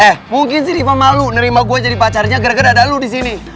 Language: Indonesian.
eh mungkin sih rima malu nerima gue jadi pacarnya gara gara ada lu di sini